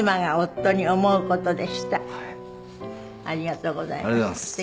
ありがとうございます。